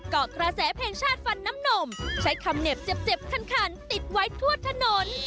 เกาะกระแสเพลงชาติฟันน้ำนมใช้คำเหน็บเจ็บเจ็บคันติดไว้ทั่วถนน